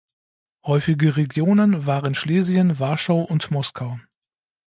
Häufige Regionen waren Schlesien, Warschau und Moskau.